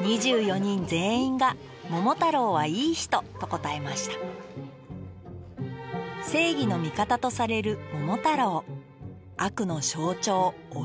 ２４人全員が「桃太郎はいい人」と答えました正義の味方とされる桃太郎悪の象徴鬼。